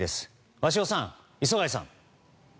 鷲尾さん、磯貝さん。